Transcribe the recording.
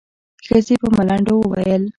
ښځې په ملنډو وويل.